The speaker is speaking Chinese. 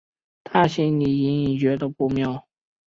她心里隐隐觉得不妙